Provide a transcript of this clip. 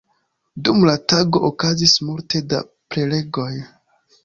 Dum la tago okazis multe da prelegoj.